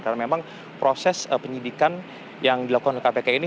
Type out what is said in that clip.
karena memang proses penyidikan yang dilakukan oleh kpk ini